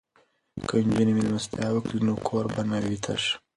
که نجونې میلمستیا وکړي نو کور به نه وي تش.